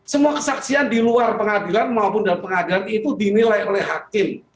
semua kesaksian di luar pengadilan maupun dalam pengadilan itu dinilai oleh hakim